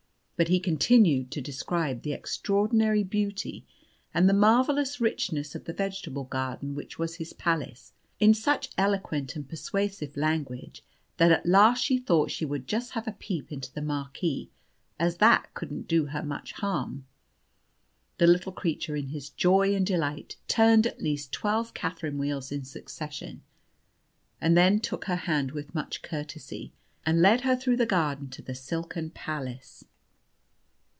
But he continued to describe the extraordinary beauty and the marvellous richness of the vegetable garden which was his palace, in such eloquent and persuasive language, that at last she thought she would just have a peep into the marquee, as that couldn't do her much harm. The little creature, in his joy and delight, turned at least twelve Catherine wheels in succession, and then took her hand with much courtesy, and led her through the garden to the silken palace.